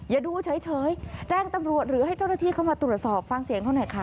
อย่าดูเฉยแจ้งตำรวจหรือให้เจ้าหน้าที่เข้ามาตรวจสอบฟังเสียงเขาหน่อยค่ะ